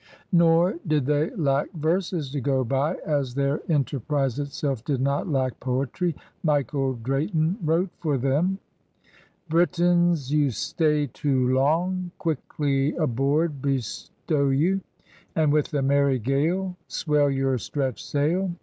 Nor did they lack verses to go by, as their enter prise itself did not lack poetry. Michael Drayton wrote for them :— 8 PIONEERS OP THE OLD SOUTH Britons, you stay too long, Quickly aboard bestow you. And with a merry gale. Swell your stretched sail.